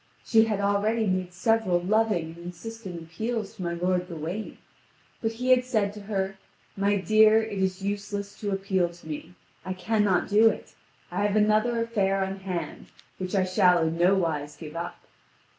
She had already made several loving and insistent appeals to my lord Gawain; but he had said to her: "My dear, it is useless to appeal to me; I cannot do it; I have another affair on hand, which I shall in no wise give up."